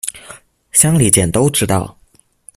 乡里间都知道